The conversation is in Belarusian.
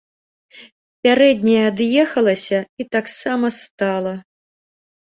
Пярэдняя ад'ехалася і таксама стала.